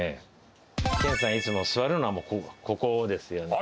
健さんいつも座るのはここですよね。